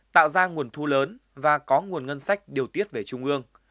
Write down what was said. tạo ra nguồn thu lớn và có nguồn ngân sách điều tiết về trung ương